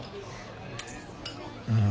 うん。